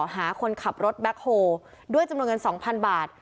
หาคนขับรถแบ็คโฮด้วยจำนวนเงิน๒๐๐๐บาท